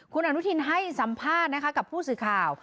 คุณอนุทินให้สัมภาษณ์นะคะกับผู้สื่อข่าว